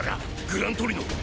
グラントリノ！